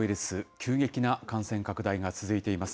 急激な感染拡大が続いています。